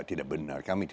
tidak benar kami